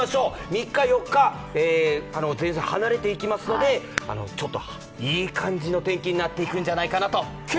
３日、４日、前線離れていきますのでちょっといい感じの天気になっていくんじゃないかなと思います。